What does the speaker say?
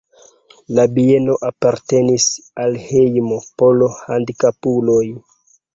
La bieno apartenis al hejmo por handikapuloj.